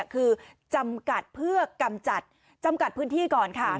คือจำกัดเพื่อกำจัดจำกัดพื้นที่ก่อนค่ะ